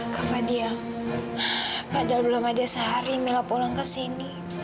kakak dia padahal belum ada sehari mila pulang ke sini